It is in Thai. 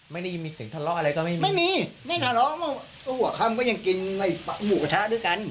หัวคำก็ยังกินในปะหมูกระทะด้วยกัน